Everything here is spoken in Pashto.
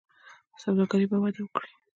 سوداګري به وده وکړي.